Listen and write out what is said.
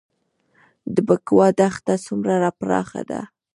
د بکوا دښته څومره پراخه ده؟